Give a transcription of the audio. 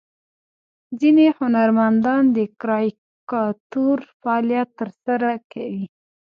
ځینې هنرمندان د کاریکاتور فعالیت ترسره کوي.